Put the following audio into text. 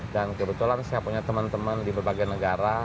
dan kebetulan saya punya teman teman di berbagai negara